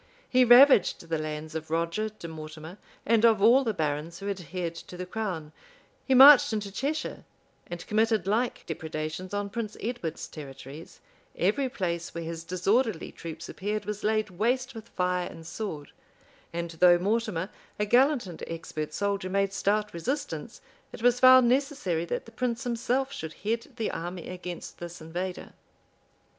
He ravaged the lands of Roger de Mortimer, and of all the barons who adhered to the crown;[*] he marched into Cheshire, and committed like depredations on Prince Edward's territories; every place where his disorderly troops appeared was laid waste with fire and sword; and though Mortimer, a gallant and expert soldier, made stout resistance, it was found necessary that the prince himself should head the army against this invader.